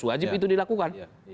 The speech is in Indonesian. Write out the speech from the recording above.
wajib itu dilakukan